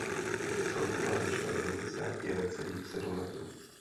Celková výška zvonice je necelých sedm metrů.